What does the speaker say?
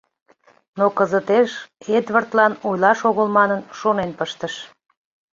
Но кызытеш Эдвардлан ойлаш огыл манын, шонен пыштыш.